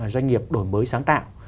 doanh nghiệp đổi mới sáng tạo